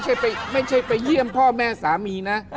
เดี๋ยวก่อนไม่ใช่ไปเยี่ยมพ่อแม่สามีนะ